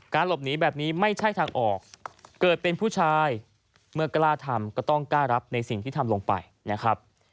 หลบหนีแบบนี้ไม่ใช่ทางออกเกิดเป็นผู้ชายเมื่อกล้าทำก็ต้องกล้ารับในสิ่งที่ทำลงไปนะครับ